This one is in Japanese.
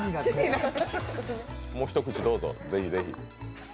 もう一口どうぞ、ぜひぜひ。